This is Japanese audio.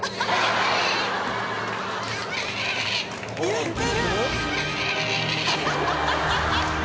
言ってる！